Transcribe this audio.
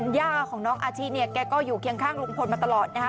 ย่าของน้องอาชิเนี่ยแกก็อยู่เคียงข้างลุงพลมาตลอดนะฮะ